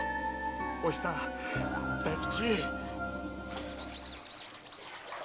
おひさ大吉！